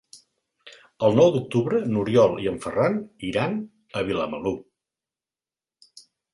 El nou d'octubre n'Oriol i en Ferran iran a Vilamalur.